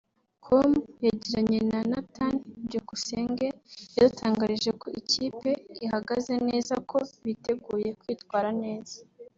com yagiranye na Nathan Byukusenge yadutangarije ko ikipe ihagaze neza ko biteguye kwitwara neza